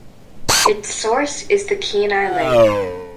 Its source is the Kenai Lake.